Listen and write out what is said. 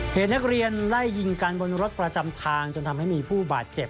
เหตุนักเรียนไล่ยิงกันบนรถประจำทางจนทำให้มีผู้บาดเจ็บ